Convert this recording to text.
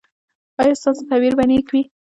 ایا ستاسو تعبیر به نیک وي؟